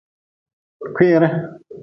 Kwihri.